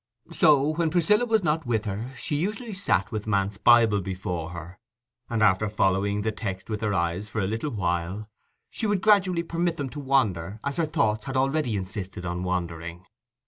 So, when Priscilla was not with her, she usually sat with Mant's Bible before her, and after following the text with her eyes for a little while, she would gradually permit them to wander as her thoughts had already insisted on wandering.